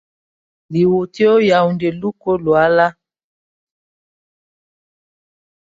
Lìwòtéyá ó yàwùndè lùúkà ó dùálá.